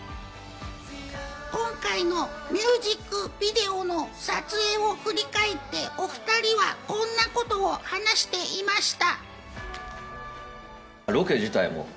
今回のミュージックビデオの撮影を振り返って、お２人は、こんなことを話していました。